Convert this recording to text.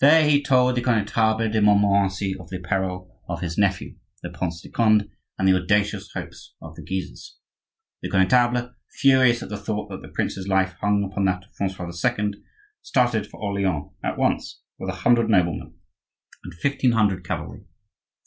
There he told the Connetable de Montmorency of the peril of his nephew, the Prince de Conde, and the audacious hopes of the Guises. The Connetable, furious at the thought that the prince's life hung upon that of Francois II., started for Orleans at once with a hundred noblemen and fifteen hundred cavalry.